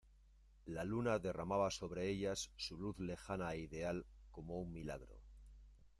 la luna derramaba sobre ellas su luz lejana e ideal como un milagro.